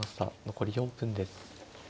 残り４分です。